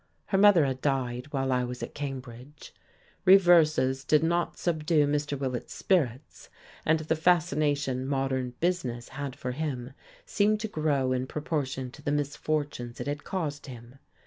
Her mother had died while I was at Cambridge. Reverses did not subdue Mr. Willett's spirits, and the fascination modern "business" had for him seemed to grow in proportion to the misfortunes it had caused him.